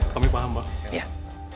kami paham pak